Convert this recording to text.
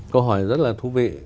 câu hỏi rất là thú vị